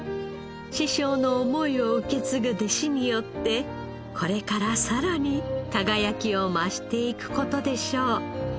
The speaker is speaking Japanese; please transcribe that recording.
師匠の思いを受け継ぐ弟子によってこれからさらに輝きを増していく事でしょう。